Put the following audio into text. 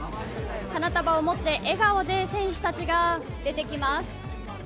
花束を持って、笑顔で選手たちが出てきます。